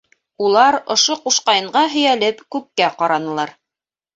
Улар, ошо ҡушҡайынға һөйәлеп, күккә ҡаранылар.